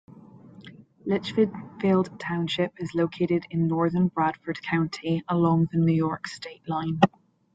Litchfield Township is located in northern Bradford County, along the New York state line.